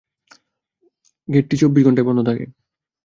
গেটটি চব্বিশ ঘণ্টাই বন্ধ থাকে।